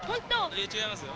いえ違いますよ。